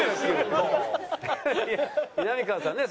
みなみかわさんね